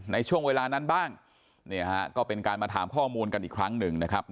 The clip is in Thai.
ในช่วงเวลานั้นบ้างก็เป็นการมาถามข้อมูลกันอีกครั้งหนึ่งนะครับ